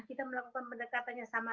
kita melakukan pendekatannya sama